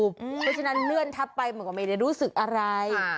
เพราะฉะนั้นเลื่อนทับไปมันก็ไม่ได้รู้สึกอะไร